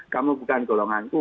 kamu bukan golonganku